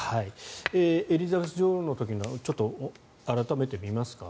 エリザベス女王の時の改めて見ますか？